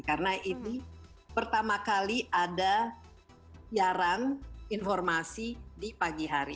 karena itu pertama kali ada jarang informasi di pagi hari